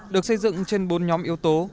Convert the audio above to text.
được xây dựng trên bốn nhóm yếu tố